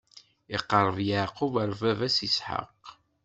Iqeṛṛeb Yeɛqub ɣer baba-s Isḥaq.